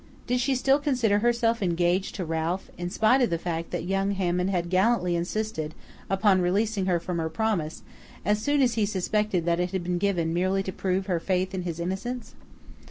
Did she still consider herself engaged to Ralph, in spite of the fact that young Hammond had gallantly insisted upon releasing her from her promise as soon as he suspected that it had been given merely to prove her faith in his innocence?